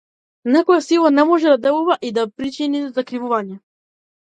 Никоја сила не може да делува и да причини закривување.